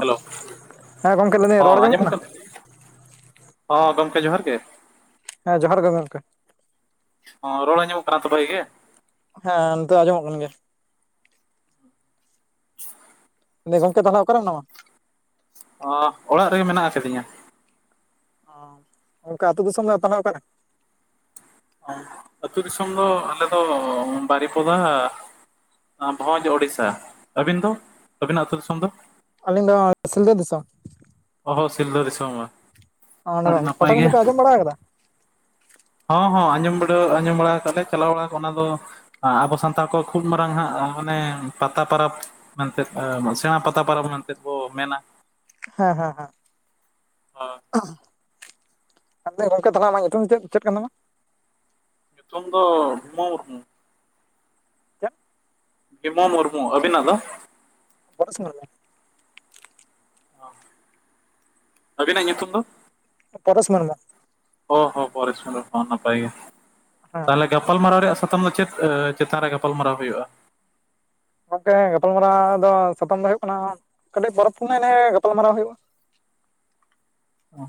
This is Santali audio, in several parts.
ᱦᱮᱞᱳ ᱦᱮᱸ ᱜᱚᱝᱠᱮ ᱞᱟᱹᱭᱫᱟᱹᱧ ᱦᱚᱸ ᱨᱚᱲ ᱟᱸᱡᱚᱢᱚᱜ ᱟᱸᱡᱚᱢ ᱠᱟᱱᱟ ᱦᱚᱸ ᱜᱚᱢᱠᱮ ᱡᱚᱦᱟᱨ ᱜᱮ ᱦᱮᱸ ᱡᱚᱦᱟᱨ ᱜᱮ ᱜᱚᱢᱠᱮ ᱚ ᱨᱚᱲᱮ ᱟᱡᱚᱢᱚᱜ ᱠᱟᱱ ᱛᱚ ᱵᱷᱟᱜᱮ ᱜᱮ ᱦᱮᱸ ᱱᱤᱛᱚᱜ ᱟᱸᱡᱚᱢᱚᱜ ᱠᱟᱱ ᱜᱮᱭᱟ᱾ [inaudible] ᱜᱚᱢᱠᱮ ᱛᱟᱦᱚᱞᱮ ᱚᱠᱟᱨᱮ ᱢᱮᱱᱟᱢᱟ ᱚ ᱚᱲᱟᱜ ᱨᱮᱜᱮ ᱢᱮᱱᱟᱜ ᱟᱠᱟᱫᱤᱧᱟ ᱜᱚᱢᱠᱮ ᱟᱹᱛᱩ ᱫᱤᱥᱚᱢ ᱫᱚ ᱛᱟᱦᱚᱞᱮ ᱚᱠᱟᱨᱮ? ᱟᱹᱛᱩ ᱫᱤᱥᱚᱢ ᱫᱚ ᱟᱞᱮ ᱫᱚ ᱵᱟᱨᱤᱯᱚᱫᱟ᱾ ᱵᱷᱚᱡᱽ ᱳᱲᱤᱥᱥᱟ᱾ ᱟᱹᱵᱤᱱ ᱫᱚ ᱟᱹᱵᱤᱱᱟᱜ ᱟᱹᱛᱳ ᱫᱤᱥᱚᱢ ᱫᱚ? ᱟᱹᱞᱤᱧ ᱫᱚ ᱥᱤᱞᱫᱟᱹ ᱫᱤᱥᱚᱢ᱾ ᱚᱦᱚ ᱥᱤᱞᱫᱟ ᱫᱤᱥᱚᱢ ᱚᱸᱰᱮ ᱟᱹᱰᱤ ᱱᱟᱯᱟᱭ ᱜᱮ ᱯᱟᱴᱟᱵᱤᱸᱫᱟᱹ ᱯᱮ ᱟᱸᱡᱚᱢ [inaudible] ᱦᱚᱸ ᱦᱚ ᱟᱸᱡᱚᱢ ᱫᱚᱞᱮ ᱟᱸᱡᱚᱢ ᱵᱟᱲᱟ ᱠᱮᱫ ᱞᱮ ᱪᱟᱞᱟᱣ ᱵᱟᱲᱟ ᱠᱟᱜ ᱚᱱᱟ ᱫᱚ ᱟᱵᱚ ᱥᱟᱱᱛᱟᱲ ᱠᱚᱣᱟᱜ ᱠᱷᱩᱵ ᱢᱟᱨᱟᱝ ᱦᱟᱸᱜ ᱢᱟᱱᱮ ᱯᱟᱛᱟ ᱯᱚᱨᱚᱵᱽ ᱢᱮᱱᱛᱮᱜ ᱥᱮᱬᱟ ᱯᱟᱛᱟ ᱯᱚᱨᱚᱵᱽ ᱢᱮᱱᱛᱮᱫ ᱠᱚ ᱢᱮᱱᱟ ᱦᱮᱸ ᱦᱮᱸ ᱦᱮᱸ ᱦᱮ ᱟᱫᱚ ᱜᱚᱝᱠᱮ ᱛᱟᱦᱚᱞᱮ ᱟᱢᱟᱜ ᱧᱩᱛᱩᱢ ᱪᱮᱫ ᱪᱮᱫ ᱠᱟᱱ ᱛᱟᱢᱟ? ᱪᱚᱱᱫᱚᱱ ᱢᱩᱨᱢᱩ ᱪᱮᱫ? ᱵᱤᱢᱚᱞ ᱢᱩᱨᱢᱩ᱾ ᱚᱵᱤᱱᱟᱜ ᱫᱚ? [unintelligible] ᱟᱹᱵᱤᱱᱟᱜ ᱧᱩᱛᱩᱢ ᱫᱚ? ᱯᱚᱨᱮᱥ ᱢᱩᱨᱢᱩ ᱦᱚᱸ ᱦᱚᱸ ᱯᱚᱨᱮᱥ ᱢᱩᱨᱢᱩ ᱦᱚᱸ ᱱᱟᱯᱟᱭ ᱜᱮ [unintelligible] ᱛᱟᱦᱚᱞᱮ ᱜᱟᱯᱟᱞ ᱢᱟᱨᱟᱣ ᱨᱮᱭᱟᱜ ᱥᱟᱛᱟᱢ ᱫᱚ ᱪᱮᱫ ᱪᱮᱛᱟᱱ ᱨᱮ ᱜᱟᱯᱟᱞ ᱢᱟᱨᱟᱣ ᱦᱩᱭᱩᱜᱼᱟ ᱜᱚᱝᱠᱮ ᱜᱟᱯᱟᱞ ᱢᱟᱨᱟᱣ ᱫᱚ ᱥᱟᱛᱟᱢ ᱫᱚ ᱦᱩᱭᱩᱜ ᱠᱟᱱᱟ ᱠᱟᱹᱴᱤᱡ ᱯᱚᱨᱚᱵᱽ ᱯᱩᱱᱟᱹ ᱱᱤᱭᱮ ᱜᱟᱯᱟᱞ ᱢᱟᱨᱟᱣ ᱦᱩᱭᱩᱜᱼᱟ ᱚ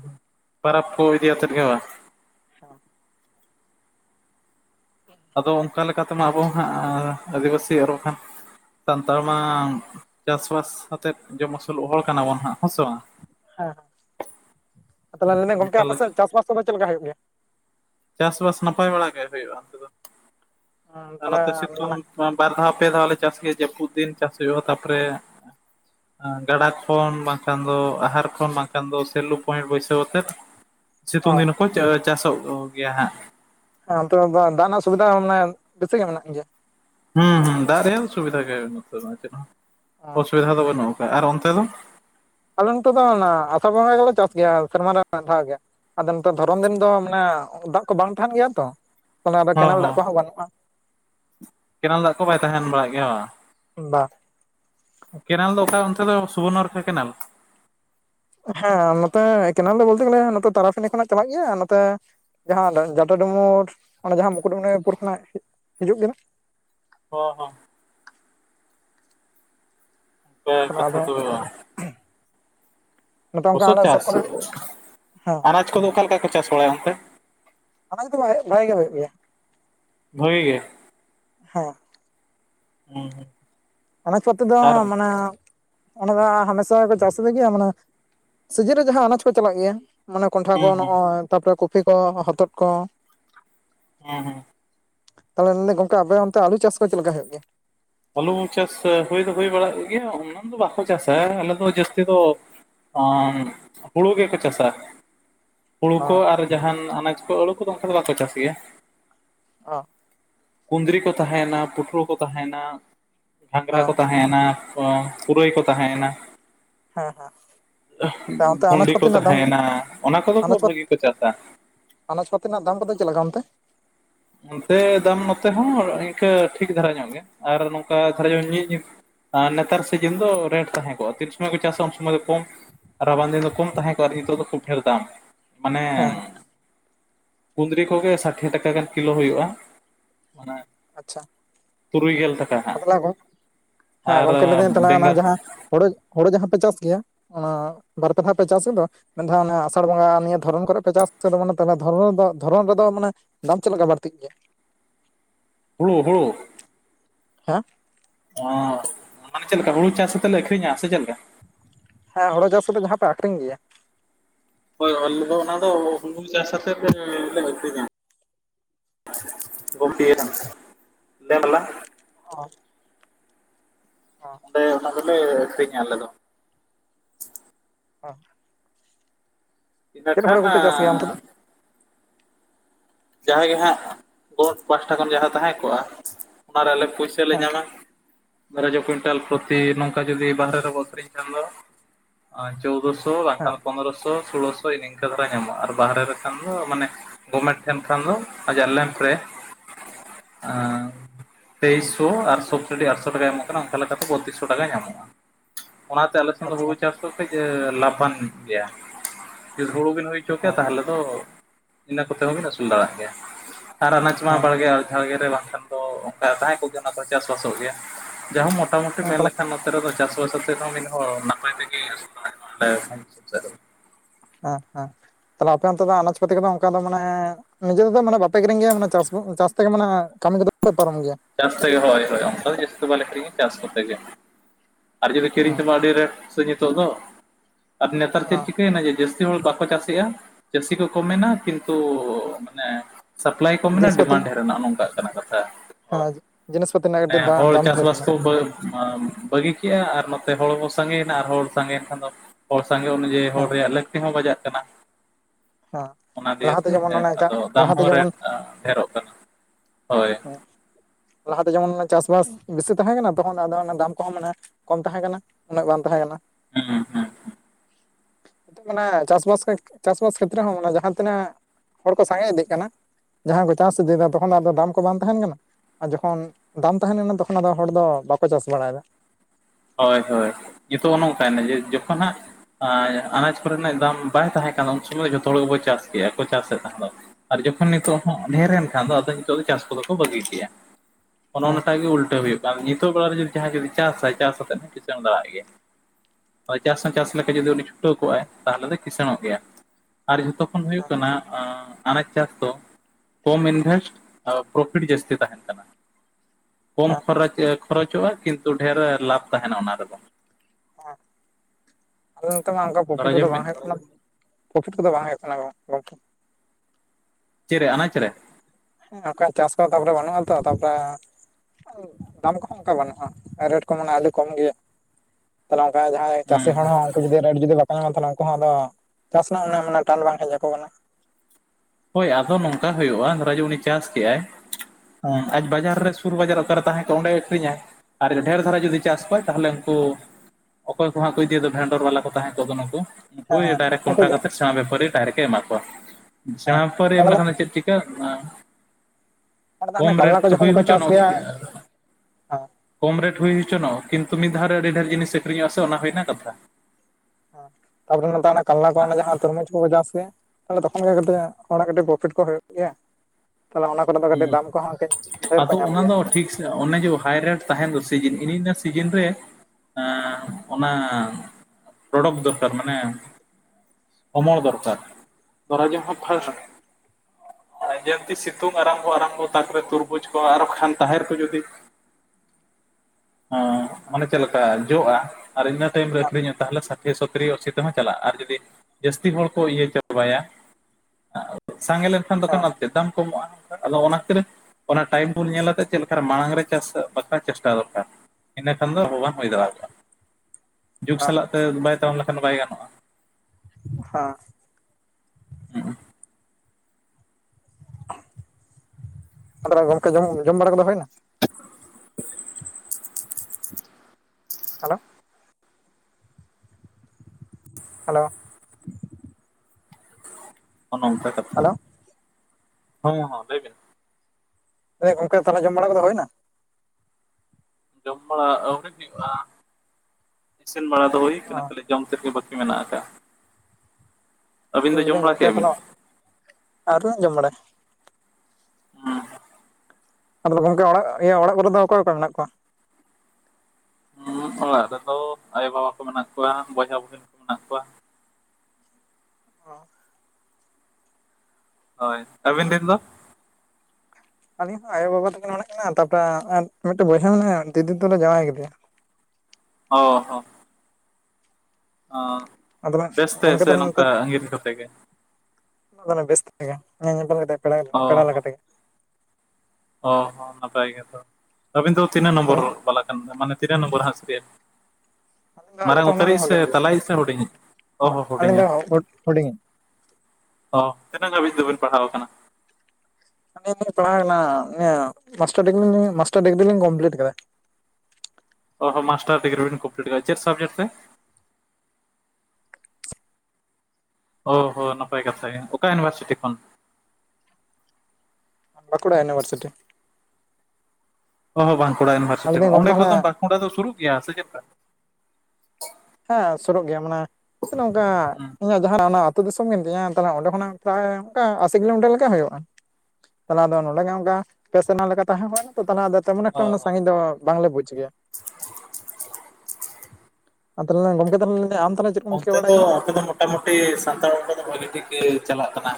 ᱯᱟᱨᱚᱵᱽ ᱠᱚ ᱤᱫᱤ ᱠᱟᱛᱮ ᱜᱮ ᱵᱟᱝ ᱟᱪᱪᱷᱟ ᱟᱫᱚ ᱚᱱᱠᱟ ᱞᱮᱠᱟ ᱛᱮᱢᱟ ᱟᱵᱚ ᱦᱟᱸᱜ ᱟᱹᱫᱤᱵᱟᱹᱥᱤ ᱟᱨᱦᱚᱸ ᱠᱷᱟᱱ ᱥᱟᱱᱛᱟᱲ ᱢᱟ ᱪᱟᱥᱵᱟᱥ ᱠᱟᱛᱮᱫ ᱡᱚᱢ ᱟᱹᱥᱩᱞᱚᱜ ᱦᱚᱲ ᱠᱟᱱᱟ ᱵᱚᱱ ᱦᱟᱸᱜ ᱦᱮᱸ ᱥᱮ ᱵᱟᱝ ᱦᱮᱸ ᱦᱮᱸ᱾ ᱛᱟᱦᱚᱞᱮ ᱞᱟᱹᱭᱫᱟᱹᱧ ᱜᱚᱝᱠᱮ ᱚᱱᱠᱟ ᱞᱮᱠᱟ ᱟᱯᱮᱥᱮᱫ ᱪᱟᱥ ᱵᱟᱟᱥ ᱠᱚ ᱫᱚ ᱪᱮᱫ ᱞᱮᱠᱟ ᱦᱩᱭᱩᱜ ᱜᱮᱭᱟ ᱪᱟᱥᱵᱟᱥ ᱱᱟᱯᱟᱭ ᱵᱟᱲᱟ ᱜᱮ ᱦᱩᱭᱩᱜᱼᱟ᱾ ᱚᱱᱛᱮ ᱫᱚ ᱟᱨ ᱱᱚᱛᱮ ᱛᱟᱦᱚᱞᱮ ᱥᱤᱛᱩᱝ ᱢᱟᱱᱮ ᱵᱟᱨ ᱫᱷᱟᱣ ᱯᱮ ᱫᱷᱟᱣᱞ ᱞᱮ ᱪᱟᱥ ᱜᱮᱭᱟ ᱡᱟᱹᱯᱩᱫ ᱫᱤᱱ ᱪᱟᱥ ᱦᱩᱭᱩᱜᱼᱟ᱾ ᱛᱟᱯᱚᱨᱮ ᱜᱟᱰᱟ ᱠᱷᱚᱱ ᱵᱟᱝ ᱠᱷᱟᱱ ᱫᱚ ᱟᱦᱟᱨ ᱠᱷᱚᱱ ᱵᱟᱝ ᱠᱷᱟᱱ ᱫᱚ ᱥᱮᱞᱩ ᱯᱭᱮᱱᱴ ᱵᱟᱹᱭᱥᱟᱹᱣ ᱠᱟᱛᱮᱫ [inaudible] ᱥᱤᱛᱩᱝ ᱫᱤᱱ ᱦᱚᱸᱠᱚ ᱪᱟᱥᱚᱜ ᱜᱮᱭᱟ ᱦᱟᱸᱜ ᱦᱮᱸ ᱚᱱᱛᱮ ᱫᱟᱜ ᱨᱮᱱᱟᱜ ᱥᱩᱵᱤᱫᱷᱟ ᱢᱟᱱᱮ ᱵᱮᱥᱤ ᱜᱮ ᱢᱮᱱᱟᱜ ᱜᱮᱭᱟ᱾ ᱦᱩᱸ ᱦᱩᱸ ᱫᱟᱜ ᱨᱮᱭᱟᱜ ᱥᱩᱵᱤᱫᱷᱟ ᱜᱮ ᱱᱚᱛᱮ ᱫᱚ ᱪᱮᱫ ᱦᱚᱸ ᱚ ᱚᱥᱩᱵᱤᱫᱷᱟ ᱫᱚ ᱵᱟᱹᱱᱩᱜ ᱟᱠᱟᱜ-ᱟ ᱟᱨ ᱚᱱᱛᱮ ᱫᱚ ᱟᱞᱮ ᱱᱤᱛ ᱫᱚ ᱚᱱᱟ ᱟᱥᱟᱲ ᱵᱚᱸᱜᱟ ᱜᱮᱞᱮ ᱪᱟᱥ ᱜᱮᱭᱟ ᱥᱮᱨᱢᱟ ᱨᱮ ᱢᱤᱫ ᱫᱟᱣ ᱜᱮ᱾ ᱟᱫᱚ ᱱᱚᱛᱮ ᱫᱷᱚᱨᱚᱢ ᱫᱤᱱ ᱫᱚ ᱢᱟᱱᱮ ᱫᱟᱜ ᱠᱚ ᱵᱟᱝ ᱛᱟᱦᱮᱱ ᱜᱮᱭᱟ ᱛᱚ ᱚᱱᱟ ᱫᱚ ᱦᱚᱸ ᱠᱮᱱᱮᱞ ᱫᱟᱜ ᱦᱚᱸ ᱠᱚᱦᱚᱸ ᱵᱟᱹᱱᱩᱜᱼᱟ᱾ ᱠᱮᱱᱮᱞ ᱫᱟᱜ ᱠᱚ ᱵᱟᱭ ᱛᱟᱦᱮᱱ ᱵᱟᱲᱟᱜ ᱜᱮᱭᱟ ᱵᱟᱝ ᱵᱟ ᱠᱮᱱᱮᱞ ᱫᱚ ᱚᱠᱟ ᱚᱱᱛᱮ ᱫᱚ ᱥᱩᱵᱚᱨᱱᱚ ᱨᱮᱠᱷᱟ ᱠᱮᱱᱮᱞ ᱦᱮᱸ ᱱᱚᱛᱮ ᱠᱮᱱᱮᱞ ᱫᱚ ᱵᱚᱞᱛᱮ ᱜᱮᱞᱮ ᱱᱚᱛᱮ ᱛᱟᱨᱟ ᱯᱷᱤᱱᱤ ᱠᱷᱚᱱᱟᱜ ᱪᱟᱞᱟᱜ ᱜᱮᱭᱟ᱾ ᱱᱚᱛᱮ ᱡᱟᱦᱟᱸ ᱡᱟᱴᱟ ᱰᱩᱢᱩᱨ ᱚᱱᱟ ᱡᱟᱦᱟᱸ ᱢᱩᱠᱩᱴ ᱢᱩᱱᱤ ᱯᱩᱨ ᱠᱷᱚᱱᱟᱜ ᱦᱤᱡᱩᱜ ᱜᱮ ᱚ ᱦᱚᱸ ᱯᱮ ᱠᱟᱱᱟ ᱛᱟᱦᱚᱞᱮ ᱠᱟᱛᱷᱟ ᱟᱫᱚ ᱛᱚᱵᱮ ᱵᱟᱝ ᱱᱚᱛᱮ ᱚᱱᱠᱟ ᱜᱚᱥᱚ ᱟᱞᱮ ᱥᱩᱨ ᱪᱟᱥ ᱠᱚᱨᱮ ᱦᱮᱸ ᱟᱱᱟᱡ ᱠᱚ ᱫᱚ ᱚᱠᱟᱞᱮᱠᱟ ᱠᱚ ᱪᱟᱥ ᱵᱟᱲᱟᱭᱟ ᱚᱱᱛᱮ ᱟᱱᱟᱡ ᱫᱚ ᱵᱷᱟᱜᱤ ᱜᱮ ᱦᱩᱭᱩᱜ ᱜᱮᱭᱟ ᱵᱷᱟᱜᱮ ᱜᱮ ᱾ ᱦᱮᱸ ᱦᱮᱸ ᱦᱮᱸ ᱚᱱᱟ ᱦᱤᱥᱟᱵ ᱛᱮ ᱫᱚ ᱢᱟᱱᱮ ᱾ ᱚᱱᱟ ᱫᱚ ᱦᱟᱢᱮᱥᱟ ᱠᱚ ᱪᱟᱥ ᱤᱫᱤ ᱜᱮᱭᱟ ᱢᱟᱱᱮ ᱥᱤᱡᱤᱱ ᱨᱮ ᱡᱟᱦᱟᱸ ᱟᱱᱟᱡ ᱠᱚ ᱪᱟᱞᱟᱜ ᱜᱮᱭᱟ ᱾ ᱢᱟᱱᱮ ᱠᱚᱸᱰᱷᱟ ᱠᱚ ᱦᱩᱸ ᱦᱩᱸ ᱱᱚᱜᱼᱚᱭ ᱛᱟᱨᱯᱚᱨᱮ ᱠᱚᱯᱷᱤ ᱠᱚ ᱦᱚᱛᱚᱫ ᱠᱚ ᱦᱮᱸ ᱦᱮᱸ ᱛᱟᱦᱚᱞᱮ ᱢᱮᱱᱫᱟ [unintelligible] ᱜᱚᱝᱠ ᱟᱯᱮ ᱚᱱᱛᱮ ᱟᱞᱩ ᱪᱟᱥ ᱠᱚ ᱪᱮᱫ ᱞᱮᱠᱟ ᱦᱩᱭᱩᱜ ᱜᱮᱭᱟ ᱟᱹᱞᱩ ᱪᱟᱥ ᱦᱩᱭ ᱫᱚ ᱦᱩᱭ ᱵᱟᱲᱟᱜ ᱜᱮᱭᱟ ᱚᱱᱟ ᱫᱚ ᱵᱟᱠᱚ ᱪᱟᱥᱟ ᱟᱞᱮ ᱫᱚ ᱡᱟᱹᱥᱛᱤ ᱫᱚ ᱦ ᱦᱩᱲᱩ ᱜᱮ ᱠᱚ ᱪᱟᱥ-ᱟ ᱾ ᱦᱩᱲᱩ ᱠᱚ ᱚ ᱟᱨ ᱡᱟᱦᱟᱱ ᱟᱱᱟᱡᱽ ᱠᱚ ᱟᱞᱩ ᱠᱚ ᱫᱚ ᱚᱱᱠᱟ ᱫᱚ ᱵᱟᱠᱚ ᱪᱟᱥ ᱜᱮᱭᱟ ᱾ ᱚᱸᱻ᱾ ᱠᱩᱸᱫᱽᱨᱤ ᱠᱚ ᱛᱟᱦᱮᱸ ᱮᱱᱟ ᱯᱩᱴᱨᱟᱹ ᱠᱚ ᱛᱟᱦᱮᱸ ᱮᱱᱟ ᱜᱷᱟᱸᱜᱽᱨᱟ ᱚ ᱠᱚ ᱛᱟᱦᱮᱸ ᱮᱱᱟ ᱯᱩᱨᱟᱹᱭ ᱠᱚ ᱛᱟᱦᱮᱸ ᱮᱱᱟ ᱦᱮᱸ ᱦᱮᱸ ᱚᱱᱛᱮ ᱟᱱᱟᱡ ᱵᱷᱩᱸᱰᱤ ᱯᱟᱹᱛᱤ ᱠᱚ ᱨᱮᱱᱟᱜ ᱫᱟᱢ ᱛᱟᱦᱮᱭ ᱱᱟ ᱚᱱᱟ ᱠᱚᱫᱚ ᱠᱚ ᱟᱱᱟᱡ ᱯᱟᱛ ᱵᱷᱟᱜᱤ ᱠᱚ ᱪᱟᱥᱟ ᱟᱱᱟᱡ ᱯᱟᱹᱛᱤ ᱨᱮᱱᱟᱜ ᱫᱟᱢ ᱠᱚᱫᱚ ᱪᱮᱫ ᱞᱮᱠᱟ ᱚᱱᱛᱮ? ᱚᱱᱛᱮ ᱫᱟᱢ ᱱᱚᱛᱮ ᱦᱚᱸ ᱤᱱᱠᱟᱹ ᱴᱷᱤᱠ ᱫᱷᱟᱨᱟ ᱧᱚᱜ ᱜᱮ ᱟᱨ ᱱᱚᱝᱠᱟ ᱫᱷᱟᱨᱟ [unintelligible] ᱟᱨ ᱱᱮᱛᱟᱨ ᱥᱤᱡᱤᱱ ᱫᱚ ᱨᱮᱴ ᱛᱟᱦᱮᱸ ᱠᱚᱜ-ᱟ ᱛᱤᱱ ᱥᱚᱢᱚᱭ ᱠᱚ ᱪᱟᱥᱟ ᱩᱱ ᱥᱚᱢᱚᱭ ᱫᱚ ᱠᱚᱢ ᱨᱟᱵᱟᱝ ᱫᱤᱱ ᱫᱚ ᱠᱚᱢ ᱛᱟᱦᱮᱸ ᱠᱚᱜ-ᱟ ᱱᱤᱛᱚᱜ ᱫᱚ ᱠᱷᱩᱵ ᱰᱷᱮᱨ ᱫᱟᱢ ᱢᱟᱱᱮ ᱦᱮᱸ ᱠᱩᱫᱽᱨᱤ ᱠᱚᱜᱮ ᱥᱟᱴᱷᱮ ᱴᱟᱠᱟ ᱜᱟᱱ ᱠᱤᱞᱳ ᱦᱩᱭᱩᱜ-ᱟ ᱢᱟᱱᱮ ᱟᱪᱷᱟ ᱾ ᱛᱩᱨᱩᱭ ᱜᱮᱞ ᱴᱟᱠ ᱾ ᱛᱟᱛᱞᱮ ᱜᱚᱡᱽ ᱦᱮᱸ ᱜᱚᱝᱠᱮ ᱞᱟᱹᱭ ᱫᱟᱹᱧ ᱛᱟᱦᱚᱞᱮ ᱚᱱᱟ ᱵᱮᱸᱜᱟᱲ ᱡᱟᱦᱟᱸ ᱦᱳᱲᱳ ᱦᱳᱲᱳ ᱡᱟᱦᱟᱸ ᱯᱮ ᱪᱟᱥ ᱜᱮᱭᱟ [unintelligible] ᱚᱸᱜ ᱵᱟᱨ ᱯᱮ ᱫᱷᱟᱣ ᱯᱮ ᱪᱟᱥ ᱮᱫ ᱫᱚ ᱢᱮᱱ ᱫᱷᱟᱣ ᱟᱥᱟᱲ ᱵᱚᱸᱜᱟ ᱱᱤᱭᱟᱹ ᱫᱷᱚᱨᱚᱢ ᱠᱚᱨᱮᱜ ᱯᱮ ᱪᱟᱥ ᱛᱚᱞᱮ ᱫᱷᱚᱨᱚᱢ ᱫᱷᱚᱨᱚᱢ ᱨᱮ ᱫᱚ ᱢᱟᱱᱮ ᱫᱟᱢ ᱪᱮᱫ ᱞᱮᱠᱟ ᱵᱟᱹᱲᱛᱤᱜ ᱜᱮᱭᱟ ᱾ ᱦᱩᱲᱩ ᱦᱩᱲᱩ ᱾ ᱦᱟᱸ ᱚᱸ ᱢᱟᱱᱮ ᱪᱮᱫ ᱞᱮᱠᱟ ᱦᱩᱲᱩ ᱪᱟᱥ ᱠᱟᱛᱮᱫ ᱞᱮ ᱟᱹᱠᱷᱨᱤᱧᱟ ᱥᱮ ᱪᱮᱫ ᱞᱮᱠᱟ ᱾ ᱦᱮᱸ ᱦᱩᱲᱩ ᱪᱟᱥ ᱠᱟᱛᱮ ᱡᱟᱦᱟᱸ ᱯᱮ ᱟᱠᱷᱨᱤᱧ ᱜᱮᱭᱟ ᱾ ᱦᱚᱭ ᱟᱞᱮ ᱫᱚ ᱚᱱᱟ ᱫᱚ ᱦᱩᱲᱩ ᱪᱟᱥ ᱟᱛᱮᱫ ᱞᱮ ᱟᱹᱠᱷᱨᱤᱧᱟ ᱾ ᱜᱚᱢᱠᱮ ᱫᱮᱣᱞᱟ ᱾ ᱦᱚᱸ ᱚᱸᱰᱮ ᱚᱱᱟ ᱫᱚᱞᱮ ᱟᱹᱠᱷᱨᱤᱧᱟ ᱟᱞᱮ ᱫᱚ ᱚ ᱸᱻ᱾ ᱤᱱᱟᱹ ᱪᱮᱫ ᱠᱷᱟᱱ ᱦᱩᱲᱩ ᱠᱚᱯᱮ ᱪᱟᱥ ᱜᱮᱭᱟ ᱚᱱᱛᱮ ᱫᱚ ᱾ ᱡᱟᱦᱟᱸ ᱜᱮ ᱦᱟᱸᱜ ᱜᱚᱴ ᱯᱟᱦᱴᱟ ᱠᱷᱚᱱ ᱡᱟᱦᱟᱸ ᱛᱟᱦᱮᱸ ᱠᱚᱜ-ᱟ ᱚᱱᱟ ᱨᱮ ᱟᱞᱮ ᱾ ᱯᱩᱭᱥᱟᱹ ᱞᱮ ᱦᱮᱸ ᱧᱮᱞᱟ ᱵᱟᱨᱚᱡᱚ ᱠᱩᱭᱱᱴᱟᱞ ᱯᱨᱚᱛᱤ ᱦᱮᱸ ᱱᱚᱝᱠᱟ ᱡᱩᱫᱤ ᱵᱟᱦᱨᱮ ᱨᱮᱵᱚ ᱟᱹᱠᱷᱨᱤᱧᱟ ᱾ ᱠᱷᱟᱱ ᱫᱚ ᱪᱟᱹᱣᱫᱚᱹ ᱥᱚ ᱵᱟᱝᱠᱷᱟᱱ ᱦᱮᱸ ᱯᱚᱱᱫᱨᱚ ᱥᱚ ᱞᱚᱥᱳᱭ ᱱᱮᱝᱠᱟ ᱫᱷᱟᱨᱟ ᱧᱟᱢᱚᱜ-ᱟ ᱟᱫᱚ ᱵᱟᱦᱨᱮ ᱨᱮ ᱠᱷᱟᱱ ᱫᱚ ᱢᱟᱱᱮ ᱜᱚᱵᱢᱮᱱᱴ ᱞᱮᱱᱠᱷᱟᱱ ᱫᱚ ᱦᱟᱡᱜᱞᱮᱯ ᱨᱮ ᱛᱮᱭᱤᱥᱥᱚ ᱟᱨ ᱥᱚᱵᱥᱮᱰᱤ ᱟᱴᱥᱚ ᱴᱟᱠᱟᱭ ᱮᱢᱚᱜ ᱠᱟᱱᱟ ᱚᱱᱠᱟ ᱞᱮᱠᱟᱛᱮ ᱟᱴᱥᱚ ᱥᱚ ᱴᱟᱠᱟ ᱧᱟᱢᱚᱜ-ᱟ᱾ ᱚᱱᱟ ᱛᱮ ᱟᱞᱮ ᱥᱮᱱ ᱫᱚ ᱟᱪᱪᱷᱟ ᱦᱩᱲᱩ ᱪᱟᱥ ᱠᱚ ᱠᱟ. ᱡ ᱞᱟᱵ ᱵᱟᱱ ᱦᱩᱭᱩᱜ ᱜᱮᱭᱟ ᱾ ᱦᱩᱲᱩ ᱵᱤᱱ ᱦᱩᱭ ᱦᱩᱪᱩ ᱠᱮᱫ ᱦᱮᱸ ᱛᱟᱦᱚᱞᱮ ᱫᱚ ᱤᱱᱟᱹ ᱠᱚᱛᱮ ᱦᱚᱸ ᱵᱤᱱ ᱟᱹᱥᱩᱞ ᱫᱟᱲᱮᱭᱟᱜ ᱜᱮᱭᱟ ᱾ ᱟᱨ ᱟᱱᱟᱪ ᱢᱟ ᱦᱮᱸ ᱵᱟᱲᱜᱮ ᱡᱷᱟᱲᱜᱮ ᱨᱮ ᱵᱟᱝᱠᱷᱟᱱ ᱫᱚ ᱚᱱᱠᱟ ᱛᱟᱦᱮᱸ ᱠᱚᱜ ᱜᱮᱭᱟ ᱚᱱᱟ ᱠᱚ ᱪᱟᱥ ᱵᱟᱥᱚᱜ ᱜᱮᱭᱟ ᱾ ᱡᱟᱦᱟᱸ ᱢᱚᱴᱟᱢᱩᱴᱤ ᱦᱮᱸ ᱛᱟᱦᱚᱞᱮ ᱢᱮᱱ ᱞᱮᱠᱷᱟᱱ ᱱᱚᱛ ᱮ ᱛᱟᱨ ᱫᱚ ᱪᱟᱥᱚᱜ ᱥᱟᱛᱮᱜ ᱛᱟᱣ ᱢᱤᱫ ᱦᱚᱲ ᱱᱟᱯᱟᱭ ᱛᱮᱜᱮ ᱟᱹᱥᱩᱞ ᱫᱟᱲᱮᱭᱟᱜ ᱜᱮᱭᱟ [unintelligible] ᱦᱟᱸ ᱦᱟᱸ ᱛᱟᱦᱚᱞᱮ ᱟᱯᱮ ᱚᱱᱛᱮ ᱫᱚ ᱟᱱᱟᱪ ᱯᱟᱹᱛᱤ ᱠᱚᱫᱚ ᱚᱱᱠᱟ ᱫᱚ ᱢᱟᱱᱮ ᱱᱤᱡᱮ ᱛᱮᱫᱚ ᱢᱟᱱᱮ ᱵᱟᱯᱮ ᱠᱤᱨᱤᱧ ᱜᱮᱭᱟ ᱢᱟᱱᱮ ᱪᱟᱥ ᱵᱟᱜ ᱪᱟᱥ ᱛᱮᱜᱮ ᱢᱟᱱᱮ ᱠᱟᱹᱢᱤ ᱠᱚᱫᱚ ᱯᱮ ᱯᱟᱨᱚᱢ ᱜᱮᱭᱟ ᱾ ᱪᱟᱥ ᱛᱮᱜᱮ ᱦᱚᱭ ᱦᱚᱭ ᱚᱱᱠᱟ ᱫᱚ ᱡᱟᱹᱥᱛᱤ ᱫᱚ ᱵᱟᱞᱮ ᱠᱤᱨᱤᱧᱟ ᱪᱟᱥ ᱠᱚᱛᱮ ᱜᱮ᱾ ᱟᱨ ᱡᱩᱫᱤ ᱠᱤᱨᱤᱧ ᱦᱮᱸ ᱛᱮᱢᱟ ᱟᱹᱰᱤ ᱨᱮᱴ ᱥᱮ ᱱᱤᱛᱚᱜ ᱫᱚ ᱟᱨ ᱱᱮᱛᱟᱨ ᱪᱮᱫ ᱦᱮᱸ ᱪᱤᱠᱟᱹᱭᱱᱟ ᱡᱮ ᱡᱟᱹᱥ ᱛᱤ ᱦᱚᱲ ᱵᱟᱠᱚ ᱪᱟᱥᱮᱜ-ᱟ ᱪᱟᱹᱥᱤ ᱠᱚ ᱠᱚᱢ ᱢᱮᱱᱟ ᱠᱤᱱᱛᱩ ᱢᱟᱱᱮ ᱥᱟᱯᱞᱟᱭ ᱠᱚᱢ ᱢᱮᱱᱟ ᱡᱤᱱᱤᱥ ᱯᱟᱹᱛᱤ ᱰᱤᱢᱟᱱᱰ ᱰᱷᱮᱨ ᱮᱱᱟ ᱨᱮᱱᱟ ᱱᱚᱝᱠᱟᱜ ᱠᱟᱱᱟ ᱠᱟᱛᱷᱟ᱾ ᱦᱚᱭ ᱦᱮᱸ ᱡᱤᱱᱤᱥ ᱯᱟᱹᱛᱤ ᱨᱮᱱᱟᱜ ᱢᱟᱱᱮ ᱠᱟᱹᱴᱤᱡ ᱫᱟᱢ ᱦᱚᱲ ᱫᱟᱢ ᱛᱟᱦᱮᱸ ᱪᱟᱥᱼᱵᱟᱥ ᱞᱮᱱᱟ ᱠᱚᱫᱚ ᱢᱟᱢ ᱵᱟᱹᱜᱤ ᱠᱮᱫ-ᱟ ᱟᱨ ᱱᱚᱛᱮ ᱦᱚᱲ ᱵᱚ ᱥᱟᱸᱜᱮᱭ ᱮᱱᱟ ᱟᱨ ᱦᱚᱲ ᱥᱟᱸᱜᱮᱭᱮᱱ ᱠᱷᱟᱱ ᱫᱚ ᱦᱚᱲ ᱥᱟᱸᱜᱮ ᱚᱱᱩᱡᱟᱭᱤ ᱦᱚᱲ ᱦᱮᱸ ᱨᱮᱭᱟᱜ ᱞᱟᱹᱠᱛᱤ ᱦᱚᱸ ᱵᱟᱡᱟᱜ ᱠᱟᱱᱟ᱾ ᱦᱮᱸ ᱚᱱᱟ ᱞᱟᱦᱟ ᱛᱮ ᱫᱤᱭᱮᱛᱮ ᱡᱮᱢᱚᱱ ᱚᱱᱮ ᱮᱴᱟᱜ ᱟᱫᱚ ᱫᱟᱢ ᱞᱟᱦᱟ ᱛᱮ ᱦᱚᱸ ᱡᱮᱢᱚᱱ ᱨᱮᱴ ᱰᱷᱮᱨᱚᱜ ᱠᱟᱱᱟ ᱦᱳᱭ ᱦᱮᱸ ᱞᱟᱦᱟ ᱛᱮ ᱡᱮᱢᱚᱱ ᱪᱟᱥᱵᱟᱥ ᱵᱮᱥᱤ ᱛᱟᱦᱮᱸ ᱠᱟᱱᱟ ᱛᱚᱠᱷᱚᱱ ᱟᱫᱚ ᱚᱱᱮ ᱫᱟᱢ ᱠᱚᱦᱚᱸ ᱢᱟᱱᱮ ᱠᱚᱢ ᱛᱟᱦᱮᱸ ᱠᱟᱱᱟ ᱩᱱᱟᱹᱜ ᱵᱟᱝ ᱛᱟᱦᱮᱸ ᱠᱟᱱᱟ᱾ ᱦᱩᱸ ᱦᱩᱸ ᱢᱟᱱᱮ ᱪᱟᱥᱼᱵᱟᱥ ᱨᱮᱠ ᱪᱟᱥ ᱵᱟᱥ ᱠᱷᱮᱛ ᱨᱮᱦᱚᱸ ᱢᱟᱱᱮ ᱡᱟᱦᱟᱸ ᱛᱤᱱᱟᱹᱜ ᱦᱚᱲ ᱠᱚ ᱥᱟᱸᱜᱮ ᱤᱫᱤᱜ ᱠᱟᱱᱟ, ᱡᱟᱦᱟᱸᱭ ᱠᱚ ᱪᱟᱥ ᱤᱫᱤᱭ ᱫᱟ ᱛᱚᱠᱷᱚᱱ ᱫᱚ ᱟᱫᱚ ᱫᱟᱢ ᱠᱚ ᱵᱟᱝ ᱛᱟᱦᱮᱱ ᱠᱟᱱᱟ᱾ ᱟᱨ ᱡᱚᱠᱷᱚᱱ ᱫᱟᱢ ᱛᱟᱦᱮᱸ ᱞᱮᱱᱟ ᱛᱚᱠᱷᱚᱱ ᱟᱫᱚ ᱦᱚᱲ ᱫᱚ ᱵᱟᱠᱚ ᱪᱟᱥ ᱵᱟᱲᱟᱭᱮᱫᱟ᱾ ᱦᱳᱭ ᱦᱳᱭ ᱱᱤᱛᱚᱜ ᱚᱱᱮ ᱚᱱᱠᱟᱭᱮᱱᱟ ᱡᱮ ᱡᱚᱠᱷᱚᱱ ᱦᱟᱸᱜ ᱟᱨ ᱟᱱᱟᱡᱽ ᱠᱚᱨᱮᱱᱟᱜ ᱫᱟᱢ ᱵᱟᱭ ᱛᱟᱦᱮᱸ ᱠᱟᱱᱟ ᱩᱱ ᱥᱚᱢᱚᱭ ᱫᱚ ᱡᱚᱛᱚ ᱦᱚᱲ ᱜᱮᱵᱚ ᱪᱟᱥᱠᱮᱭᱟ ᱠᱚ ᱪᱟᱥᱮᱫ ᱛᱟᱦᱮᱸᱱᱟ᱾ ᱟᱨ ᱡᱚ ᱛᱚ ᱱᱤᱛᱚᱜ ᱦᱚᱸ ᱰᱷᱮᱹᱨ ᱮᱱ ᱠᱷᱟᱱ ᱫᱚ ᱟᱫᱚ ᱱᱤᱛᱚᱜ ᱫᱚ ᱪᱟᱥ ᱠᱚᱫᱚ ᱠᱚ ᱵᱟᱹᱜᱤ ᱠᱮᱭᱟ, ᱦᱮᱸ ᱚᱱᱮᱚᱱᱴᱟᱜ ᱜᱮ ᱩᱞᱴᱟᱹ ᱦᱩᱭᱩᱜ ᱠᱟᱱᱟ᱾ ᱱᱤᱛᱚᱜ ᱵᱮᱲᱟ ᱨᱮ ᱡᱩᱫᱤ ᱡᱟᱦᱟᱸᱭ ᱡᱩᱫᱤ ᱪᱟᱥᱟ ᱪᱟᱥ ᱠᱟᱛᱮᱫ ᱦᱚᱸ ᱠᱤᱥᱟᱹᱬ ᱫᱟᱲᱟᱜ ᱜᱮᱭᱟ ᱪᱟᱥ ᱦᱚᱸ ᱪᱟᱥ ᱞᱮᱠᱟ ᱡᱩᱤ ᱩᱱᱤ ᱪᱷᱩᱴᱟᱹᱣ ᱠᱚᱜᱼᱟᱭ ᱛᱟᱦᱚᱞᱮ ᱞᱮ ᱠᱤᱥᱟᱹᱬᱚᱜ ᱜᱮᱭᱟ ᱟᱨ ᱡᱷᱚᱛᱚ ᱠᱷᱚᱱ ᱦᱩᱭᱩᱜ ᱠᱟᱱᱟ ᱚᱸᱜ ᱟᱱᱟᱪ ᱪᱟᱥ ᱫᱚ ᱠᱚᱢ ᱤᱱᱵᱷᱮᱥᱴ, ᱯᱨᱚᱯᱷᱤᱴ ᱡᱟᱹᱥᱛᱤ ᱛᱟᱦᱮᱱ ᱠᱟᱱᱟ᱾ ᱠᱚᱢ ᱦᱮᱸ ᱠᱷᱚᱨᱚᱪ ᱠᱷᱚᱨᱚᱪᱚᱜᱼᱟ ᱠᱤᱱᱛᱩ ᱰᱷᱮᱨ ᱞᱟᱵᱷ ᱛᱟᱦᱮᱱᱟ ᱚᱱᱟ ᱨᱮᱫᱚ᱾ ᱦᱮ ᱟᱫᱚ ᱱᱮᱛᱚᱜ ᱢᱟ ᱚᱱᱠᱟ ᱯᱨᱚᱯᱷᱤᱴ ᱫᱷᱚᱨᱟ ᱡᱮ ᱠᱚᱫᱚ ᱢᱤᱫ ᱵᱟᱝ ᱦᱩᱭᱩᱜ ᱠᱟᱱᱟ᱾ ᱯᱨᱚᱯᱷᱤᱴ ᱠᱚᱫᱚ ᱵᱟᱝ ᱦᱩᱭᱩᱜ ᱠᱟᱱᱟ ᱜᱚᱝᱠᱮ᱾ ᱪᱮᱫ ᱨᱮ ᱟᱱᱟᱪ ᱨᱮ? ᱚᱱᱠᱟ ᱪᱟᱥ ᱠᱚ ᱛᱟᱯᱚᱨᱮ ᱵᱟᱹᱱᱩᱜ-ᱟ ᱛᱚ ᱛᱟᱯᱚᱨᱮ ᱫᱟᱢ ᱠᱚᱦᱚᱸ ᱚᱱᱠᱟ ᱵᱟᱹᱱᱩᱜ-ᱟ ᱨᱮᱴ ᱠᱚ ᱢᱟᱱᱮ ᱟᱹᱰᱤ ᱠᱚᱢ ᱜᱮᱭᱟ᱾ ᱛᱟᱦᱚᱞᱮ ᱚᱱᱠᱟ ᱡᱟᱦᱟᱸᱭ ᱪᱟᱥᱤ ᱦᱚᱲ ᱦᱩᱸ ᱦᱚᱸ ᱩᱱᱠᱩ ᱡᱩᱫᱤ ᱨᱮᱴ ᱡᱩᱫᱤ ᱵᱟᱠᱚ ᱧᱟᱢᱟ ᱛᱟᱞᱮ ᱩᱱᱠᱩ ᱦᱚᱸ ᱟᱫᱚ ᱪᱟᱥ ᱨᱮᱱᱟᱜ ᱢᱟᱱᱮ ᱴᱟᱱ ᱵᱟᱝ ᱦᱮᱡ ᱟᱠᱚ ᱠᱟᱱᱟ᱾ ᱦᱳᱭ ᱟᱫᱚ ᱱᱚᱝᱠᱟ ᱦᱩᱭᱩᱜᱼᱟ ᱫᱷᱚᱨᱟᱢᱟᱭ ᱩᱱᱤ ᱪᱟᱥ ᱠᱮᱫᱟᱭ ᱦᱮᱸ ᱟᱡ ᱵᱟᱡᱟᱨ ᱨᱮ ᱥᱩᱨ ᱵᱟᱡᱟᱨ ᱚᱠᱟᱨᱮ ᱛᱟᱦᱮᱸ ᱠᱚᱜ ᱚᱸᱰᱮᱭ ᱟᱹᱠᱷᱨᱤᱧᱟᱭ ᱟᱨ ᱰᱷᱮᱨ ᱫᱷᱟᱨᱟ ᱡᱩᱫᱤ ᱪᱟᱥ ᱠᱚᱣᱟᱭ ᱛᱟᱦᱚᱞᱮ ᱩᱱᱠᱩ ᱚᱠᱚᱭ ᱠᱚ ᱦᱟᱸ ᱠᱚ ᱤᱫᱤᱭᱟ ᱫᱚ ᱵᱷᱮᱱᱰᱚᱨ ᱵᱟᱞᱟ ᱠᱚ ᱛᱟᱦᱮᱸ ᱠᱚᱜ ᱫᱚ ᱱᱩᱠᱩ ᱦᱮᱸ ᱩᱱᱠᱩᱭᱤᱫ ᱦᱮᱸ ᱰᱟᱭᱨᱮᱠᱴ ᱩᱱᱠᱩ ᱠᱚᱱᱴᱟᱠ ᱦᱮᱸ ᱠᱟᱛᱮ ᱥᱟᱨᱮ ᱰᱷᱟᱨᱤ ᱰᱟᱭᱨᱮᱠᱴ ᱮᱢᱟ ᱠᱚᱣᱟ᱾ ᱡᱟᱦᱟᱸᱯᱟᱹᱨᱤ ᱮᱢ ᱞᱮᱠᱷᱟᱱ ᱫᱚ ᱪᱮᱫ ᱪᱤᱠᱟᱹᱜ ᱦᱟᱱᱮ ᱫᱚ ᱦᱟᱱᱮ ᱠᱚᱢ ᱨᱮᱴ ᱠᱟᱞᱞᱟ ᱠᱚ ᱛᱮ ᱡᱚᱠᱷᱚᱱ ᱦᱩᱭ ᱠᱚ ᱦᱚᱪᱚᱱ ᱪᱟᱥ ᱜᱮᱭᱟ ᱦᱮᱸ ᱠᱚᱢ ᱨᱮᱴ ᱦᱩᱭ ᱦᱚᱪᱚᱱᱚ ᱠᱤᱱᱛᱩ ᱢᱤᱫ ᱫᱷᱟᱣ ᱨᱮ ᱟᱹᱰᱤ ᱰᱷᱮᱨ ᱡᱤᱱᱤᱥ ᱟᱠᱷᱨᱤᱧᱚᱜ ᱟᱥᱮ ᱚᱱᱟ ᱦᱩᱭᱱᱟ ᱠᱟᱛᱷᱟ᱾ ᱦᱮᱸ ᱛᱟᱨᱯᱚᱨᱮ ᱚᱱᱟ ᱫᱟᱜ ᱨᱮᱱᱟᱜ ᱠᱟᱞᱞᱟ ᱠᱚ ᱡᱟᱦᱟᱸ ᱛᱚᱨᱢᱚᱡᱽ ᱠᱚ ᱪᱟᱥ ᱜᱮᱭᱟ ᱛᱚᱠᱷᱚᱱ ᱜᱮᱠᱟᱹᱴᱤᱡ ᱦᱚᱲᱟᱜ ᱠᱟᱹᱴᱤᱡ ᱯᱨᱚᱯᱷᱤᱴ ᱠᱚ ᱦᱩᱭᱩᱜ ᱜᱮᱭᱟ ᱛᱚ ᱚᱱᱟ ᱠᱚᱨᱮᱫᱚ ᱠᱟᱹᱴᱤᱡ ᱦᱩᱸ ᱫᱟᱢ ᱠᱚᱦᱚᱸ ᱰᱷᱮᱨ ᱠᱚ ᱟᱫᱚ ᱧᱟᱢ ᱚᱱᱟ ᱜᱮᱭᱟ᱾ ᱫᱚ ᱴᱷᱤᱠ ᱚᱱᱮ ᱡᱮ ᱦᱟᱭᱨᱮᱴ ᱛᱟᱦᱮᱱ ᱫᱚ ᱥᱤᱡᱤᱱ ᱤᱱᱤ ᱤᱱᱟᱹ ᱥᱤᱡᱤᱱ ᱨᱮ ᱦᱮᱸ ᱚᱱᱟ ᱯᱚᱨᱚᱰ‌ ᱫᱚᱨᱠᱟᱨ ᱢᱟᱱᱮ ᱚᱢᱚᱞ ᱫᱚᱨᱠᱟᱨ ᱫᱚᱨᱟᱡᱟ ᱦᱚᱸ ᱯᱷᱟᱥᱴ ᱦᱮᱸ [unintelligible] ᱥᱤᱛᱩᱝ ᱟᱨᱟᱢᱵᱷᱚ ᱟᱨᱟᱢᱵᱷᱚ ᱛᱟᱠᱚᱨᱮ ᱛᱩᱨᱵᱩᱡᱽ ᱠᱚ ᱟᱨᱚ ᱠᱷᱟᱱ ᱛᱟᱦᱮᱨ ᱠᱚ ᱡᱩᱫᱤ ᱦᱮᱸ ᱢᱟᱱᱮ ᱪᱮᱫᱞᱮᱠᱟ ᱡᱚᱜᱼᱟ ᱟᱨ ᱤᱱᱟᱹ ᱴᱟᱭᱤᱢ ᱨᱮ ᱦᱮᱸ ᱟᱹᱠᱷᱨᱤᱧ ᱛᱟᱦᱚᱞᱮ ᱥᱟᱴᱷᱤ ᱥᱚᱛᱨᱤ ᱟᱥᱤ ᱛᱮᱦᱚᱸ ᱪᱟᱞᱟᱜᱼᱟ ᱟᱨ ᱡᱩᱫᱤ ᱡᱟᱹᱥᱛᱤ ᱦᱚᱲ ᱠᱚ ᱤᱭᱟᱹ ᱪᱟᱵᱟᱭᱟ ᱥᱟᱸᱜᱮ ᱞᱮᱱᱠᱷᱟᱱ ᱦᱮᱸ ᱫᱚᱠᱷᱟᱱᱛᱮ ᱫᱟᱢ ᱠᱚᱢᱚᱜᱼᱟ ᱟᱫᱚ ᱚᱱᱟ ᱠᱷᱟᱹᱛᱤᱨ ᱚᱱᱟ ᱴᱟᱭᱤᱢ ᱵᱩᱱ ᱧᱮᱞ ᱠᱟᱛᱮᱜ ᱪᱮᱫ ᱞᱮᱠᱟᱨᱮ ᱢᱟᱲᱟᱝ ᱨᱮ ᱪᱟᱥ ᱵᱟᱠᱷᱟᱱ ᱪᱮᱥᱴᱟ ᱫᱚᱨᱠᱟᱨ ᱤᱱᱟ ᱠᱷᱟᱱ ᱫᱚ ᱵᱟᱝ ᱦᱩᱭ ᱫᱟᱲᱮ ᱠᱚᱜᱼᱟ ᱡᱩᱜᱽ ᱦᱮᱸ ᱥᱟᱞᱟᱜ ᱛᱮ ᱵᱟᱭ ᱛᱟᱦᱟᱢ ᱞᱮᱠᱷᱟᱱ ᱵᱟᱭ ᱜᱟᱱᱚᱜᱼᱟ᱾ ᱦᱮᱸ ᱦᱩᱸ ᱟᱫᱚ ᱜᱚᱝᱠᱮ ᱡᱚᱢ ᱡᱚᱢ ᱵᱟᱲᱟ ᱠᱚᱫᱚ ᱦᱩᱭᱱᱟ ᱦᱮᱞᱳ ᱦᱮᱞᱳ ᱚᱱᱮ ᱱᱚᱝᱠᱟ ᱠᱟᱛᱷᱟ ᱦᱮᱞᱳ ᱦᱚᱸ ᱦᱚᱸ ᱞᱟᱹᱭᱵᱤᱱ ᱮ ᱜᱚᱢᱠᱮ ᱛᱟᱦᱚᱞᱮ ᱡᱚᱢ ᱵᱟᱲᱟ ᱠᱚᱫᱚ ᱦᱩᱭᱮᱱᱟ ᱡᱚᱢ ᱵᱟᱲᱟ ᱟᱹᱣᱨᱤ ᱦᱩᱭᱩᱜᱼᱟ ᱤᱥᱤᱱ ᱵᱟᱲᱟ ᱫᱚ ᱦᱩᱭ ᱠᱟᱱᱟ ᱠᱷᱟᱹᱞᱤ ᱡᱚᱢ ᱛᱮᱫᱜᱮ ᱵᱟᱹᱠᱤ ᱢᱮᱱᱟᱜ ᱟᱠᱟᱜᱼᱟ ᱚ ᱟᱹᱵᱤᱱ ᱫᱚ ᱡᱚᱢ ᱞᱟᱹᱭᱫᱟᱹᱧ ᱵᱟᱲᱟ ᱜᱚᱝᱠᱮ ᱠᱮᱜᱼᱟ ᱵᱤᱱ ᱛᱟᱦᱚᱞᱮ ᱟᱹᱣᱨᱤ ᱞᱤᱧ ᱡᱚᱢ ᱵᱟᱲᱟ ᱦᱩᱸ ᱟᱫᱚ ᱜᱚᱝᱠᱮ ᱚᱲᱟᱜ ᱤᱭᱟᱹ ᱚᱲᱟᱜ ᱠᱚᱨᱮ ᱫᱚ ᱚᱠᱚᱭ ᱠᱚ ᱢᱮᱱᱟᱜ ᱠᱚᱣᱟ ᱦᱩᱸ ᱚᱲᱟᱜ ᱨᱮᱫᱚ ᱟᱭᱳᱼᱵᱟᱵᱟ ᱠᱚ ᱢᱮᱱᱟᱜ ᱠᱚᱣᱟ ᱵᱚᱭᱦᱟ ᱵᱩᱦᱤᱱ ᱢᱮᱱᱟᱜ ᱠᱚᱣᱟ ᱦᱳᱭ ᱟᱹᱵᱮᱱ ᱨᱤᱱ ᱫᱚ ᱟᱹᱞᱤᱧ ᱦᱚᱸ ᱟᱭᱳᱵᱟᱵᱟ ᱛᱟᱹᱠᱤᱱ ᱢᱮᱱᱟᱜ ᱠᱤᱱᱟ ᱛᱟᱯᱚᱨᱮ ᱢᱤᱴᱮᱱ ᱵᱚᱭᱦᱟ ᱢᱮᱱᱟᱭᱟ ᱫᱤᱫᱤ ᱫᱚᱞᱮ ᱡᱟᱶᱟᱭ ᱠᱮᱫᱤᱭᱟ ᱚ ᱦᱚᱸ ᱚᱸ ᱟᱫᱚ ᱵᱮᱥᱛᱮ ᱜᱚᱝᱠᱮ ᱥᱮ ᱛᱟᱦᱚᱞᱮ ᱱᱚᱝᱠᱟ ᱟᱹᱜᱤᱨ ᱠᱟᱛᱮ ᱜᱮ [unintelligible] ᱵᱮᱥ ᱛᱮ ᱜᱮᱭᱟ ᱧᱮᱞ ᱧᱮᱯᱮᱞ ᱠᱟᱛᱮ ᱯᱮᱲᱟ ᱚ ᱯᱮᱲᱟ ᱦᱚᱸ ᱞᱮᱠᱟ ᱛᱮᱜᱮ ᱦᱚᱸ ᱱᱟᱯᱟᱭ ᱜᱮᱛᱚ ᱟᱹᱵᱤᱱ ᱫᱚ ᱛᱤᱱᱟᱹᱜ ᱱᱚᱢᱵᱚᱨ ᱟᱫᱚ ᱵᱟᱞᱟ ᱠᱟᱱᱟ ᱢᱟᱱᱮ ᱛᱤᱱᱟᱹᱜ ᱱᱚᱢᱵᱚᱨ ᱦᱟᱸᱥ ᱥᱤᱨᱭᱟᱞ ᱟᱹᱞᱤᱧ ᱫᱚ ᱢᱟᱨᱟᱝ ᱡᱚᱛᱚ ᱠᱷᱚᱱᱟᱜ ᱩᱛᱟᱹᱨᱤᱡ ᱞᱤᱧ ᱥᱮ ᱦᱩᱰᱤᱧ ᱜᱮᱭᱟ ᱛᱟᱞᱟᱭᱤᱡ ᱥᱮ ᱦᱩᱰᱤᱧᱤᱡ ᱚ ᱦᱚᱸ ᱟᱹᱞᱤᱧ ᱦᱩᱰᱤᱧᱟ ᱫᱚ ᱦᱩᱰᱤᱧᱤᱧ ᱚ ᱛᱤᱱᱟᱹᱜ ᱫᱷᱟᱵᱤᱡ ᱫᱚᱵᱤᱱ ᱯᱟᱲᱦᱟᱣ ᱟᱠᱟᱱᱟ ᱟᱹᱞᱤᱧ ᱞᱤᱧ ᱯᱟᱲᱦᱟᱣ ᱠᱟᱱᱟ ᱢᱟᱥᱴᱟᱨ ᱰᱤᱜᱽᱨᱤ ᱢᱟᱥᱴᱟᱨ ᱰᱤᱜᱽᱨᱤ ᱞᱤᱧ ᱠᱚᱢᱯᱞᱤᱴ ᱠᱟᱫᱟ ᱚ ᱦᱚᱸ ᱢᱟᱥᱴᱟᱨ ᱰᱤᱜᱽᱨᱤ ᱵᱤᱱ ᱠᱚᱢᱯᱞᱤᱴ ᱠᱟᱜᱼᱟ ᱪᱮᱫ ᱥᱟᱵᱡᱮᱴ ᱛᱮ ᱚ ᱦᱚᱸ ᱱᱟᱯᱟᱭ ᱠᱟᱛᱷᱟ ᱜᱮ ᱚᱠᱟ ᱤᱭᱩᱱᱤᱵᱷᱟᱨᱥᱤᱴᱤ ᱠᱷᱚᱱ ᱵᱟᱸᱠᱩᱲᱟ ᱤᱭᱩᱱᱤᱵᱷᱟᱨᱥᱤᱴᱤ ᱚ ᱦᱚᱸᱚ ᱵᱟᱸᱠᱩᱲᱟ ᱤᱱᱵᱷᱟᱨᱥᱤᱴᱤ ᱟᱹᱞᱤᱧ ᱜᱚᱝᱠᱮ ᱚᱸᱰᱮ ᱛᱟᱦᱚᱞᱮ ᱠᱷᱚᱱ ᱫᱚ ᱵᱟᱸᱠᱩᱲᱟ ᱫᱚ ᱥᱩᱨᱩᱜ ᱜᱮᱭᱟ ᱥᱮ ᱪᱮᱫ ᱞᱮᱠᱟ ᱦᱮᱸ ᱥᱳᱨᱳᱜ ᱜᱮᱭᱟ ᱢᱟᱱᱮ ᱛᱤᱱᱟᱹᱜ ᱚᱱᱠᱟ ᱦᱩᱸ ᱤᱧᱟᱹᱜ ᱡᱟᱦᱟᱸ ᱚᱱᱟ ᱩᱛᱚ ᱫᱤᱥᱚᱢ ᱮᱱᱜᱮᱭᱟ ᱛᱟᱦᱮ ᱚᱸᱰᱮ ᱠᱷᱚᱱᱟᱜ ᱯᱨᱟᱭ ᱚᱱᱠᱟ ᱟᱥᱤ ᱠᱤᱞᱳᱢᱤᱴᱟᱨ ᱞᱮᱠᱟ ᱦᱩᱭᱩᱜᱼᱟ ᱛᱟᱦᱞᱮ ᱟᱫᱚ ᱱᱚᱰᱮ ᱜᱮ ᱚᱱᱠᱟ ᱯᱮ ᱥᱮᱨᱢᱟ ᱞᱮᱠᱟ ᱛᱟᱦᱮᱸ ᱦᱩᱭᱱᱟ ᱛᱟᱦᱞᱮ ᱟᱫᱚ ᱛᱮᱢᱚᱱ ᱚ ᱮᱠᱴᱟ ᱩᱱᱟᱹᱜ ᱦᱚᱸ ᱥᱟᱸᱜᱤᱧ ᱫᱚ ᱵᱟᱝᱞᱮ ᱵᱩᱡ ᱜᱮᱭᱟ [inaudible] [unintelligible] ᱜᱚᱢᱠᱮ [unintelligible] ᱟᱢ ᱛᱟᱦᱞᱮ ᱪᱮᱫ ᱠᱚᱢ ᱪᱤᱠᱟᱹ ᱚᱱᱛᱮ ᱵᱟᱲᱟᱭ ᱫᱚ ᱜᱮᱭᱟ ᱮᱠᱷᱚᱱ ᱦᱚ ᱢᱚᱴᱟᱢᱩᱴᱤ ᱥᱟᱱᱛᱟᱲ [unintelligible] ᱫᱚ ᱵᱷᱟᱜᱤ ᱴᱷᱤᱠ ᱪᱟᱞᱟᱜ ᱠᱟᱱᱟ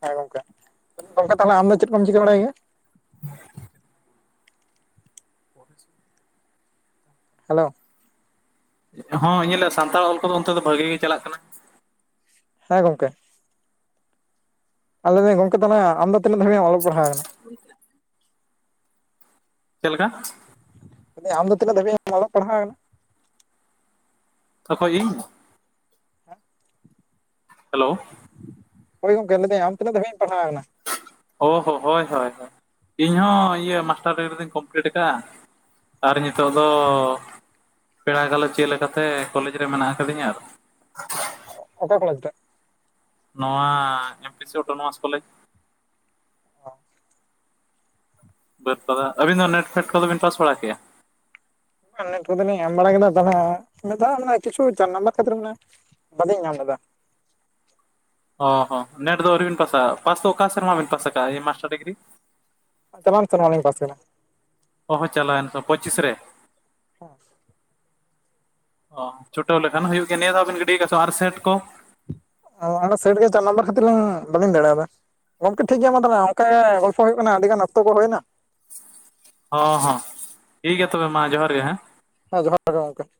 ᱦᱮᱸ ᱜᱚᱝᱠᱮ ᱛᱟᱦᱞᱮ ᱟᱢ ᱫᱚ ᱪᱮᱫ ᱠᱚᱢ ᱪᱤᱠᱟᱹ ᱵᱟᱲᱟᱭ ᱜᱮᱭᱟ [inaudible] [inaudible] ᱦᱮᱞᱳ ᱦᱚᱸ ᱧᱮᱞ ᱮᱫᱼᱟ ᱥᱟᱱᱛᱟᱲ ᱚᱞ ᱠᱚᱫᱚ ᱚᱱᱛᱮ ᱫᱚ ᱵᱷᱟᱹᱜᱤ ᱜᱮ ᱪᱟᱞᱟᱜ ᱠᱟᱱᱟ ᱦᱮᱸ ᱜᱚᱝᱠᱮ ᱟᱨ ᱞᱟᱹᱭ ᱫᱟᱹᱧ ᱜᱚᱝᱠᱮ ᱛᱟᱦᱞᱮ ᱟᱢᱫᱚ ᱛᱤᱱᱟᱹᱜ ᱫᱷᱟᱵᱤᱡ ᱚᱞᱚᱜ ᱯᱟᱲᱦᱟᱣ ᱠᱟᱱᱟ ᱪᱮᱫ ᱞᱮᱠᱟ [unintelligible] ᱟᱢ ᱫᱚ ᱛᱤᱱᱟᱹᱜ ᱫᱷᱟᱵᱹᱤᱡ ᱮᱢ ᱚᱞᱚᱜ ᱯᱟᱲᱦᱟᱣ ᱟᱠᱟᱱᱟ ᱠᱷᱚᱡ ᱤᱧ ᱦᱮᱞᱳ ᱦᱳᱭ ᱜᱚᱝᱠᱮ ᱞᱟᱹᱭ ᱫᱟᱹᱧ ᱟᱢ ᱛᱤᱱᱟᱹᱜ ᱫᱷᱟᱵᱤᱡ ᱮᱢ ᱯᱟᱲᱦᱟᱣ ᱠᱟᱱᱟ ᱚ ᱦᱚᱸ ᱦᱳᱭ ᱦᱳᱭ ᱤᱧ ᱦᱚᱸ ᱤᱭᱟᱹ ᱢᱟᱥᱴᱟᱨ ᱰᱤᱜᱽᱨᱤ ᱫᱚᱧ ᱠᱚᱢᱯᱞᱤᱴ ᱟᱠᱟᱫᱼᱟ ᱟᱨ ᱱᱤᱛᱚᱜ ᱫᱚ ᱯᱮᱲᱟ ᱜᱟᱞᱚᱪ ᱪᱮᱫ ᱞᱮᱠᱟᱛᱮ ᱠᱚᱞᱮᱡᱽ ᱨᱮ ᱢᱮᱱᱟᱜ ᱟᱠᱟᱫᱤᱧᱟ ᱾ ᱚᱠᱟ ᱠᱚᱞᱮᱡᱽ [unintelligible] ᱱᱚᱣᱟ [unintelligible] ᱚᱴᱳᱱᱳᱢᱟᱥ ᱠᱚᱞᱮᱡᱽ [inaudible] [unintelligible] ᱟᱹᱵᱤᱱ ᱫᱚ ᱱᱮᱴ ᱯᱷᱮᱴ ᱠᱚᱫᱚ ᱵᱤᱱ ᱯᱟᱥ ᱵᱟᱲᱟ ᱠᱮᱭᱟ ᱱᱮᱴ ᱠᱚᱫᱚᱞᱤᱧ ᱮᱢ ᱵᱟᱲᱟ ᱠᱮᱫᱟ ᱛᱟᱦᱚᱞᱮ ᱢᱤᱫ ᱫᱷᱟᱣ ᱚᱱᱟ ᱠᱤᱪᱷᱩ ᱪᱟᱨ ᱱᱟᱢᱵᱟᱨ ᱠᱷᱟᱹᱛᱤᱨ ᱚᱱᱟ ᱵᱟᱞᱤᱧ ᱧᱟᱢ ᱞᱮᱫᱟ ᱚ ᱦᱚᱸ ᱱᱮᱴ ᱫᱚ ᱟᱣᱨᱤᱵᱮᱱ ᱯᱟᱥᱟ ᱯᱟᱥ ᱫᱚ ᱚᱠᱟ ᱥᱮᱨᱢᱟ ᱵᱤᱱ ᱯᱟᱥ ᱟᱠᱟᱫᱼᱟ ᱢᱟᱥᱴᱟᱨ ᱰᱤᱜᱽᱨᱤ ᱪᱟᱞᱟᱣ ᱮᱱ ᱥᱮᱨᱢᱟ ᱞᱤᱧ ᱯᱟᱥ ᱠᱟᱫᱟ ᱚ ᱦᱚᱸ ᱪᱟᱞᱟᱣᱮᱱ ᱮᱱ ᱯᱚᱪᱤᱥ ᱨᱮ ᱾ [inaudible] [inaudible] ᱪᱷᱩᱴᱟᱹᱣ ᱞᱮᱠᱷᱟᱱ ᱦᱩᱭᱩᱜ ᱜᱮᱭᱟ ᱱᱤᱭᱟᱹ ᱫᱷᱟᱣᱵᱤᱱ ᱜᱤᱰᱤᱣ ᱠᱟᱣᱼᱟ ᱥᱮ ᱵᱟᱝ ᱥᱮᱴ ᱠᱚ? ᱚᱫᱚ [unintelligible] ᱥᱮᱴ ᱜᱮ ᱪᱟᱨ ᱱᱟᱢᱵᱟᱨ ᱠᱷᱟᱹᱛᱤᱨ ᱟᱞᱤᱧ ᱵᱟᱹᱞᱤᱧ ᱫᱟᱲᱮᱭᱟᱫᱟ ᱾ ᱜᱚᱝᱠᱮ ᱴᱷᱤᱠ ᱜᱮᱭᱟ ᱢᱟ ᱛᱟᱦᱚᱞᱮ ᱚᱱᱠᱟ ᱜᱮ ᱜᱚᱞᱯᱚ ᱦᱩᱭᱩᱜ ᱠᱟᱱᱟ ᱟᱹᱰᱤ ᱜᱟᱱ ᱚᱠᱛᱚ ᱠᱚ ᱦᱩᱭᱮᱱᱟ ᱾ ᱦᱚᱸ ᱦᱚᱸ ᱴᱷᱤᱠ ᱜᱮᱭᱟ ᱛᱚᱵᱮ ᱢᱟ ᱡᱚᱦᱟᱨ ᱜᱮ ᱦᱮᱸ ᱾ ᱦᱮᱸ ᱡᱚᱦᱟᱨ ᱜᱮ ᱜᱚᱢᱠᱮ ᱾